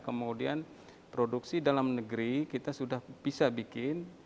kemudian produksi dalam negeri kita sudah bisa bikin